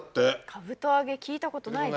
かぶとあげ聞いたことないです。